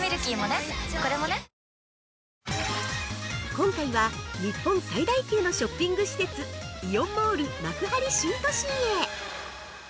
◆今回は、日本最大級のショッピング施設「イオンモール幕張新都心」へ。